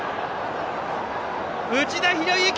内田博幸！